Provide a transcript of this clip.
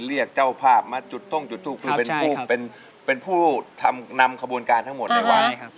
เรียกเจ้าภาพมาจุดต้งจุดทุกคือเป็นผู้ทำนำขบวนการทั้งหมดในวันนี้ครับ